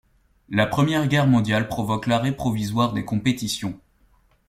La Première Guerre mondiale provoque l'arrêt provisoire des compétitions.